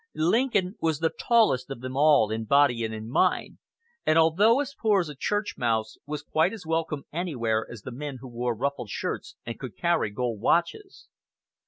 Lincoln was the "tallest" of them all in body and in mind, and although as poor as a church mouse, was quite as welcome anywhere as the men who wore ruffled shirts and could carry gold watches.